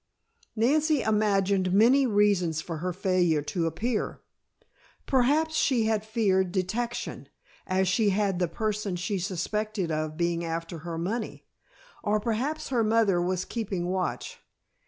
Nancy imagined many reasons for her failure to appear. Perhaps she had feared detection, as she had the person she suspected of being after her money. Or perhaps her mother was keeping watch.